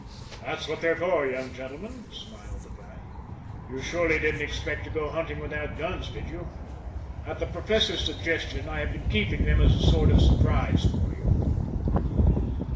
"That's what they're for, young gentlemen," smiled the guide. "You surely didn't expect to go hunting without guns, did you? At the Professor's suggestion I have been keeping them as a sort of surprise for you."